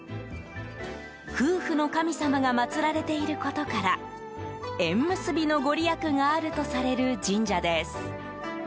夫婦の神様が祭られていることから縁結びのご利益があるとされる神社です。